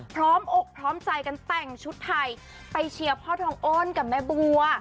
พร้อมอกพร้อมใจกันแต่งชุดไทยไปเชียร์พ่อทองอ้นกับแม่บัว